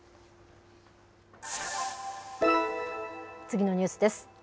次のニュースです。